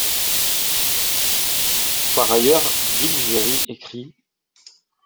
Par ailleurs, Bilgeri écrit.